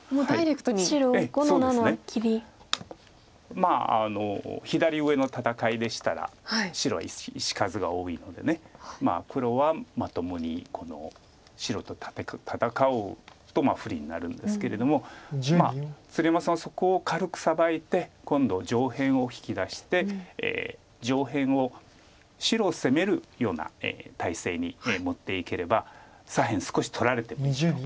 まあ左上の戦いでしたら白は石数が多いので黒はまともに白と戦うと不利になるんですけれどもまあ鶴山さんはそこを軽くサバいて今度上辺を引き出して上辺を白を攻めるような態勢に持っていければ左辺少し取られてもいいと。